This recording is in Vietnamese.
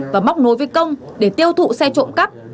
và móc nối với công để tiêu thụ xe trộm cắp